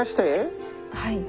はい。